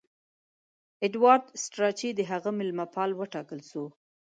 ایډوارډ سټراچي د هغه مېلمه پال وټاکل سو.